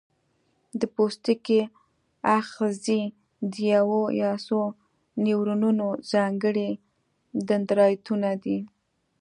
د پوستکي آخذې د یو یا څو نیورونونو ځانګړي دندرایدونه دي.